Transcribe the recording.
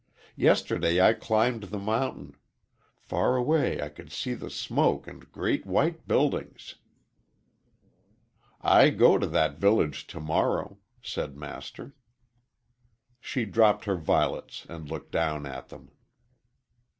"Yesterday I climbed the mountain. Far away I could see the smoke and great white buildings." "I go to that village to morrow," said Master. She dropped her violets and looked down at them.